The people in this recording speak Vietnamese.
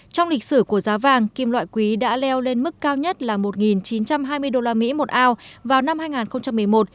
trong lịch sử của giá vàng kim loại quý đã leo lên mức cao nhất là một chín trăm hai mươi usd một ounce vào năm hai nghìn một mươi một